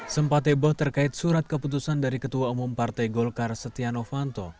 sempat heboh terkait surat keputusan dari ketua umum partai golkar setia novanto